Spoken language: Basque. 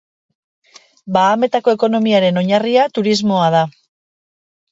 Bahametako ekonomiaren oinarria turismoa da.